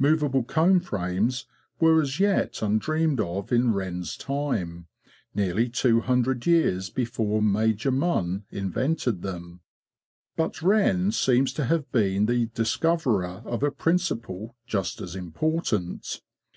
Movable comb frames were as yet undreamed of in Wren's time, nearly two hundred years before Major Munn invented them. But Wren seems to have been the discoverer of a principle just as important.